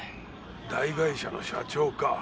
大会社の社長か。